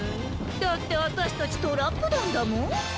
だってあたしたちトラップだんだもん。